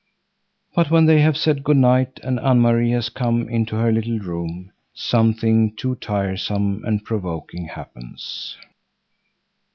But when they have said good night and Anne Marie has come into her little room, something too tiresome and provoking happens.